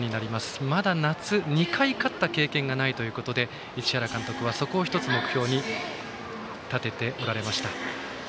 まだ夏２回勝った経験がないということで市原監督はそこを１つ目標に立てておられました。